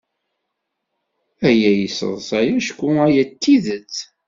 Aya yesseḍsay acku aya d tidet.